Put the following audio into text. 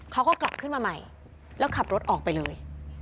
เขาก็กลับขึ้นมาใหม่แล้วขับรถออกไปเลย